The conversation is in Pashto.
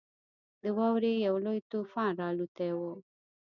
د واورې یو لوی طوفان راالوتی وو.